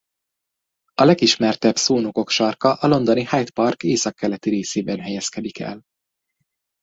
A legismertebb Szónokok sarka a londoni Hyde Park északkeleti részében helyezkedik el.